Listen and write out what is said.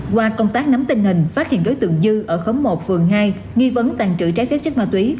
qua công tác nắm tình hình phát hiện đối tượng dư ở khóm một phường hai nghi vấn tàn trữ trái phép chất ma túy